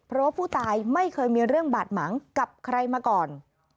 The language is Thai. เพราะว่าผู้ตายไม่เคยมีเรื่องบาดหมางกับใครมาก่อน